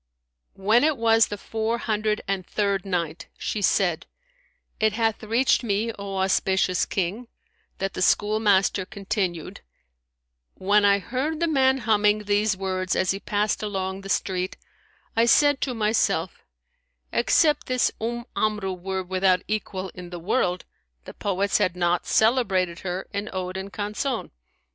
When it was the Four Hundred and Third Night, She said, It hath reached me, O auspicious King, that the schoolmaster continued, " When I heard the man humming these words as he passed along the street, I said to myself Except this Umm Amru were without equal in the world, the poets had not celebrated her in ode and canzon.'